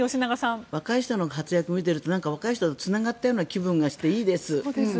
若い人の活躍を見てると若い人とつながったような気分がしていいです。